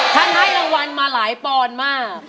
ท่านให้รางวัลมาหลายพรมา